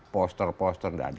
poster poster nggak ada